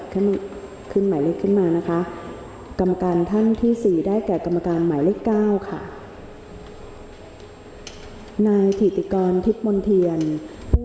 กรมการท่านที่๓ได้แก่กรมการหมายเล็ก๓